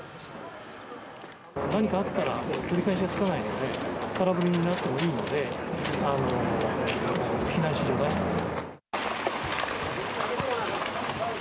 何かあったら取り返しがつかないので、空振りになってもいいので、避難指示を出したと。